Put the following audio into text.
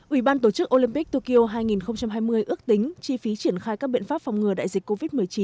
ủy ban tổ chức olympic tokyo hai nghìn hai mươi ước tính chi phí triển khai các biện pháp phòng ngừa đại dịch covid một mươi chín